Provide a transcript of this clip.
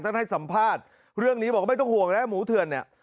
ให้สัมภาษณ์เรื่องนี้บอกว่าไม่ต้องห่วงนะหมูเถื่อนเนี่ย